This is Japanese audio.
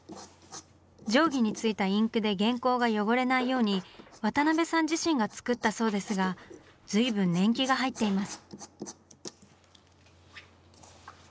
定規についたインクで原稿が汚れないように渡辺さん自身が作ったそうですが随分年季が入ってます。